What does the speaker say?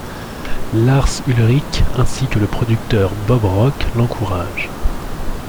Lars Ulrich ainsi que le producteur Bob Rock l'encouragent.